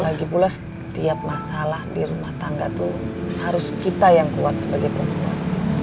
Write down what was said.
lagipula setiap masalah di rumah tangga tuh harus kita yang kuat sebagai perempuan